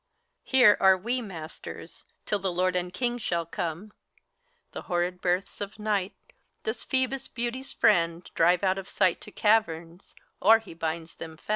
Here are we masters, till the lord and king shall come. The horrid births of Night doth Phoebus, Beauty's friend, Drive out of sight to caverns, or he binds them fast.